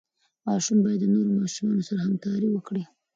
ماشوم باید د نورو ماشومانو سره همکاري وکړي.